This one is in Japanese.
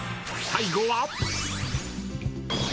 ［最後は］